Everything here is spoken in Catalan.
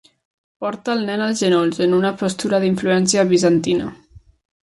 Porta el nen als genolls, en una postura d'influència bizantina.